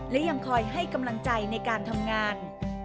และยังคอยให้กำลังใจในการทำงาน